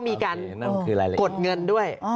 มีการกดเงินด้วย